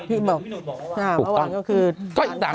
อืมถูกต้อง